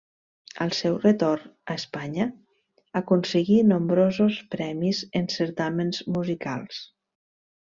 Al seu retorn a Espanya aconseguí nombrosos premis en certàmens musicals.